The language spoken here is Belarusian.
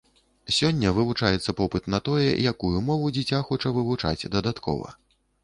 Сёння вывучаецца попыт на тое, якую мову дзіця хоча вывучаць дадаткова.